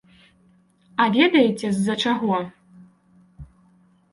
А ведаеце з-за чаго?